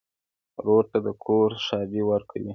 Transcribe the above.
ورور ته د کور ښادي ورکوې.